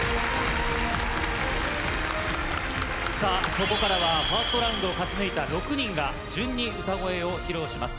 ここからはファーストラウンドを勝ち抜いた６人が順に歌声を披露します。